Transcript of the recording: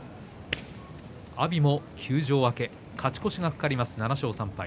阿炎も休場明け勝ち越しが懸かります、７勝３敗。